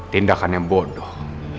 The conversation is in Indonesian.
tindakan yang bodoh